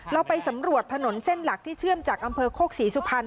เราไปสำรวจถนนเส้นหลักที่เชื่อมจากอำเภอโคกศรีสุพรรณ